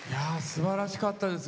すばらしかったです。